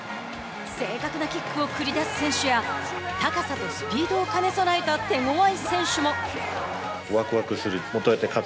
正確なキックを繰り出す選手や高さとスピードを兼ね備えた手ごわい選手も。